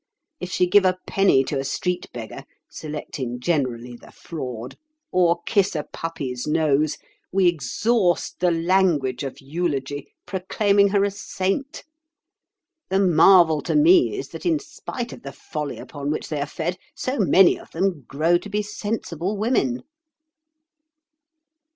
If she give a penny to a street beggar, selecting generally the fraud, or kiss a puppy's nose, we exhaust the language of eulogy, proclaiming her a saint. The marvel to me is that, in spite of the folly upon which they are fed, so many of them grow to be sensible women."